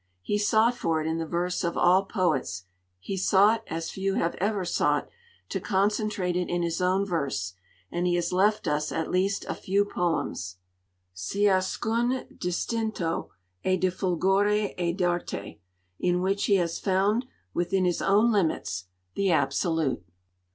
He sought for it in the verse of all poets; he sought, as few have ever sought, to concentrate it in his own verse; and he has left us at least a few poems, 'ciascun distinto e di fulgore e d'arte,' in which he has found, within his own limits, the absolute.